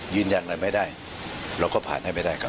ยืนยันอะไรไม่ได้เราก็ผ่านให้ไม่ได้ครับ